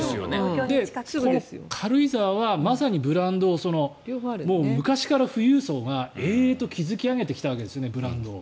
この軽井沢はまさにブランドを昔から富裕層が営々と築き上げてきたわけですブランドを。